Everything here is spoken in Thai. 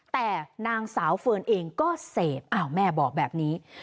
แต่นางสาวเฟิร์นเองก็เสพอ้าวแม่บอกแบบนี้